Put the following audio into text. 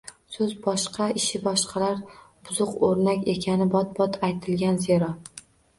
So‘zi boshqa, ishi boshqalar buzuq o‘rnak ekani bot-bot aytilgan zero.